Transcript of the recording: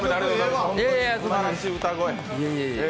すばらしい歌声。